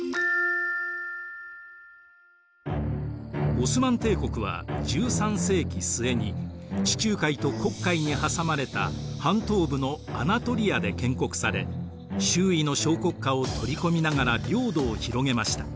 オスマン帝国は１３世紀末に地中海と黒海に挟まれた半島部のアナトリアで建国され周囲の小国家を取り込みながら領土を広げました。